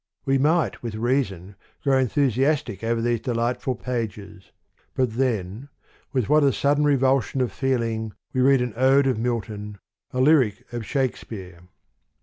We might with reason grow enthus iastic over these delightful pages : but then, with what a sudden revulsion of feel ing we read an ode of Milton, a lyric of Shakespeare